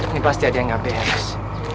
ini pasti ada yang gak bebas